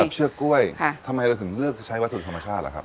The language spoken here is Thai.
เชือกกล้วยทำไมเราถึงเลือกใช้วัสดุธรรมชาติล่ะครับ